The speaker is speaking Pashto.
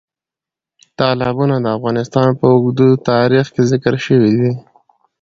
تالابونه د افغانستان په اوږده تاریخ کې ذکر شوي دي.